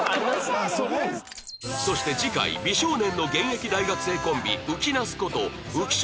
そして次回美少年の現役大学生コンビ「うきなす」こと浮所